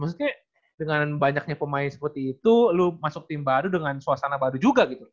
maksudnya dengan banyaknya pemain seperti itu lu masuk tim baru dengan suasana baru juga gitu